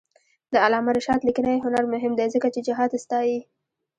د علامه رشاد لیکنی هنر مهم دی ځکه چې جهاد ستايي.